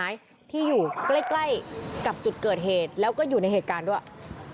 ที่อยู่ใกล้ใกล้กับจุดเกิดเหตุแล้วก็อยู่ในเหตุการณ์ด้วย